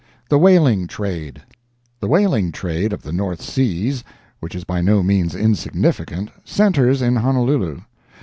THE WHALING TRADE The whaling trade of the North Seas—which is by no means insignificant—centers in Honolulu.